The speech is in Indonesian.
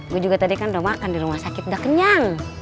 gue juga tadi kan udah makan di rumah sakit udah kenyang